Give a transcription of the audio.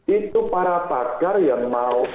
itu para pakar yang mau